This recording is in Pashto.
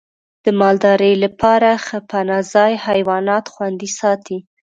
د مالدارۍ لپاره ښه پناه ځای حیوانات خوندي ساتي.